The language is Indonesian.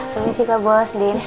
terima kasih kak bos din